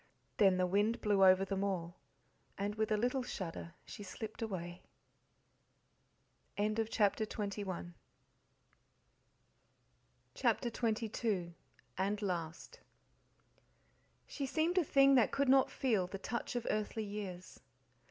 Then the wind blew over them all, and, with a little shudder, she slipped away. CHAPTER XXII And Last "She seemed a thing that could not feel The touch of earthly years."